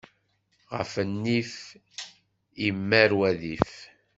Ɣef nnif, immar wadif.